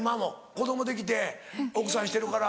子供できて奥さんしてるから。